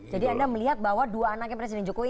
jadi anda melihat bahwa dua anaknya presiden jokowi